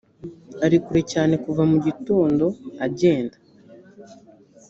ari kure cyane kuva mu gitondo agenda